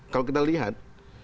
kalau kita lihat